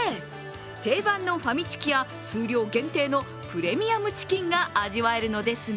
定番のファミチキや数量限定のプレミアムチキンが味わえるのですが